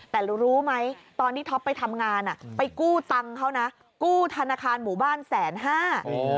แต่รู้รู้ไหมตอนที่ท็อปไปทำงานอ่ะไปกู้ตังค์เขานะกู้ธนาคารหมู่บ้านแสนห้า